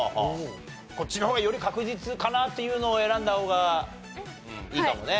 こっちの方がより確実かなというのを選んだ方がいいかもね。